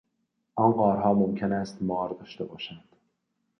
آن غارها ممکن است مار داشته باشند.